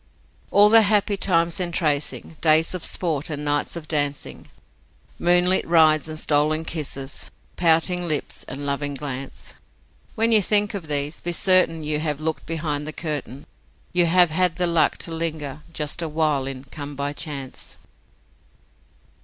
All the happy times entrancing, days of sport and nights of dancing, Moonlit rides and stolen kisses, pouting lips and loving glance: When you think of these be certain you have looked behind the curtain, You have had the luck to linger just a while in 'Come by chance'.